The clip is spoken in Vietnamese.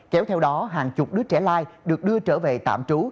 kéo theo đó hàng chục đứa trẻ lai được đưa trở về tạm trú